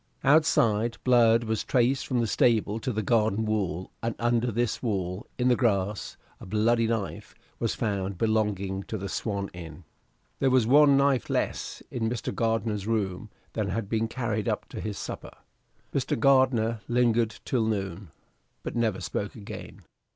Outside, blood was traced from the stable to the garden wall, and under this wall, in the grass, a bloody knife was found belonging to the "Swan" Inn. There was one knife less in Mr. Gardiner's room than had been carried up to his supper. Mr. Gardiner lingered till noon, but never spoke again.